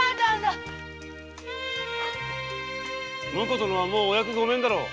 婿殿はもうお役ごめんだろう。